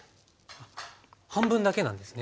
半分だけなんですね。